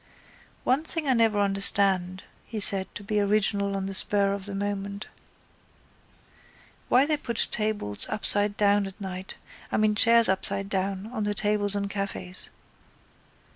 —One thing I never understood, he said to be original on the spur of the moment. Why they put tables upside down at night, I mean chairs upside down, on the tables in cafés.